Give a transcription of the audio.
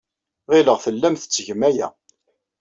Ɣileɣ tellam tettgem aya.